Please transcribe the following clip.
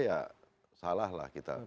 ya salah lah kita